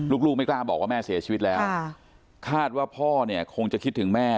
ลูกไม่กล้าบอกว่าแม่เสียชีวิตแล้วคาดว่าพ่อเนี่ยคงจะคิดถึงแม่